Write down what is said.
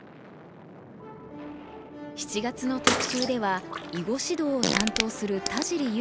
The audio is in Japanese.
７月の特集では囲碁指導を担当する田尻悠